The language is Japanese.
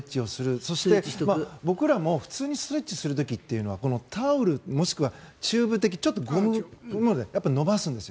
そして、僕らも普通にストレッチする時はタオルもしくはチューブ的なゴムのもので伸ばすんですよ。